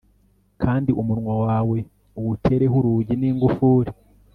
kandi umunwa wawe uwutereho urugi n'ingufuri